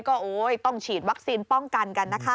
ก็ต้องฉีดวัคซีนป้องกันกันนะคะ